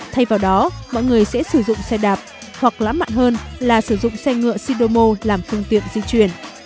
thay vào đó mọi người sẽ sử dụng xe đạp hoặc lãng mạn hơn là sử dụng xe ngựa sidomo làm phương tiện di chuyển